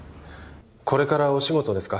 これからお仕事ですか？